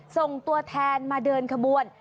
ส่งตัวแทนมาเดินขบวน